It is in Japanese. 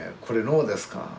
これ脳ですか？